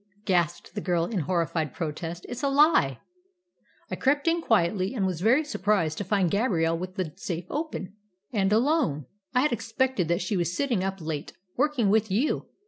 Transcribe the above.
gasped the girl, in horrified protest. "It's a lie!" "I crept in quietly, and was very surprised to find Gabrielle with the safe open, and alone. I had expected that she was sitting up late, working with you.